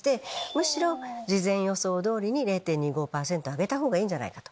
むしろ事前予想通りに０．２５％上げた方がいいんじゃないかと。